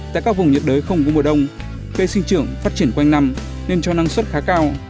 tại các vùng nhiệt đới không có mùa đông cây sinh trưởng phát triển quanh năm nên cho năng suất khá cao